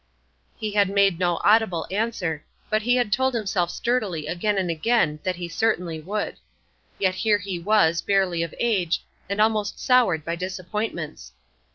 He had made no audible answer, but he had told himself sturdily again and again that he certainly would. Yet here he was, barely of age, and almost soured by disappointments.